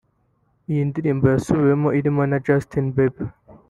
Iyi ndirimbo yasubiwemo irimo na Justin Bieber